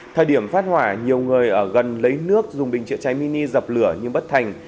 thời điểm phát hỏa nhiều người ở gần lấy nước dùng bình chữa cháy mini dập lửa nhưng bất thành